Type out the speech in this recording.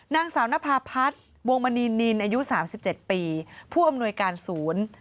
นางสาวนภาพัฒน์วงมณีนินอายุ๓๗ปีผู้อำนวยการศูนย์